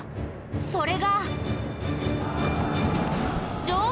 それが。